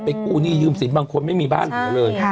กู้หนี้ยืมสินบางคนไม่มีบ้านเหลือเลย